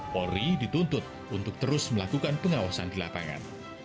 polri dituntut untuk terus melakukan pengawasan di lapangan